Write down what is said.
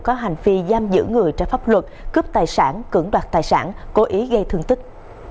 có hành vi giam giữ người trái pháp luật cướp tài sản cưỡng đoạt tài sản cố ý gây thương tích